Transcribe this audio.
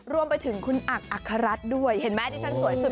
รวมไปถึงคุณอักอัคฮรัฐด้วยเห็นไหมที่ฉันสวยสุด